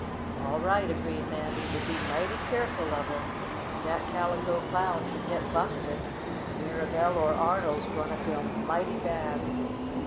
"All right," agreed Mandy. "But be mighty keerful of him! If dat Calico Clown should get busted Mirabell or Arnold is gwine to feel mighty bad!"